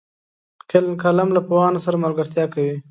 قلم له پوهانو سره ملګرتیا کوي